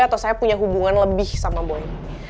atau saya punya hubungan lebih sama boleh